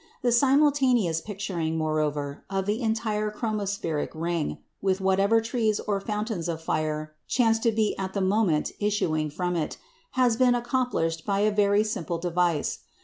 The simultaneous picturing, moreover, of the entire chromospheric ring, with whatever trees or fountains of fire chance to be at the moment issuing from it, has been accomplished by a very simple device.